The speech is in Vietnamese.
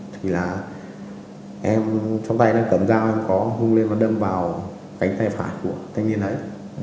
thì là em cho vay đang cầm dao em có hung lên và đâm vào cánh tay phải của thanh niên ấy